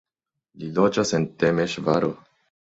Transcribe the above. Li loĝas en Temeŝvaro.